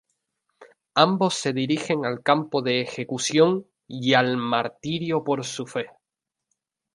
Ambos se dirigen al campo de ejecución y al martirio por su fe.